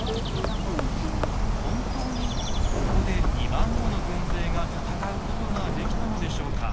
本当にここで２万もの軍勢が戦うことができたのでしょうか？